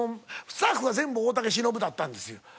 スタッフは全部「大竹しのぶ」だったんですよ。